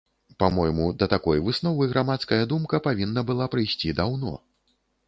Па-мойму, да такой высновы грамадская думка павінна была прыйсці даўно.